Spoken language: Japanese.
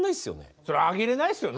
それ挙げれないっすよね。